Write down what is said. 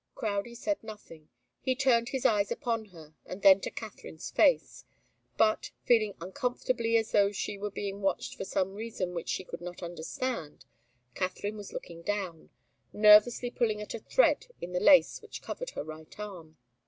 Crowdie said nothing. He turned his eyes upon her and then to Katharine's face. But, feeling uncomfortably as though she were being watched for some reason which she could not understand, Katharine was looking down, nervously pulling at a thread in the lace which covered her right arm.